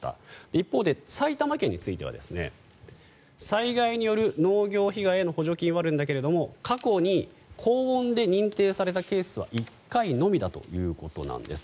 一方で埼玉県については災害による農業被害への補助金はあるんだけれど過去に高温で認定されたケースは１回のみだということです。